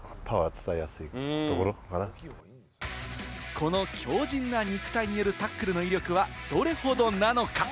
この強靭な肉体によるタックルの威力はどれほどなのか。